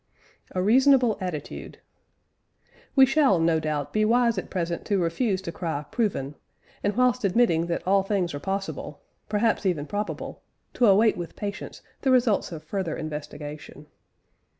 A REASONABLE ATTITUDE. We shall, no doubt, be wise at present to refuse to cry "Proven," and whilst admitting that all things are possible perhaps even probable to await with patience the results of further investigation.